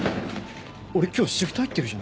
俺今日シフト入ってるじゃないですか。